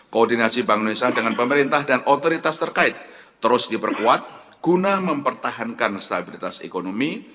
koordinasi bank indonesia dengan pemerintah dan otoritas terkait terus diperkuat guna mempertahankan stabilitas ekonomi